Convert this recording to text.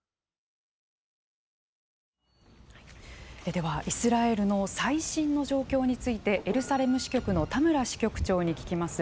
では、イスラエルの最新の状況についてエルサレム支局の田村支局長に聞きます。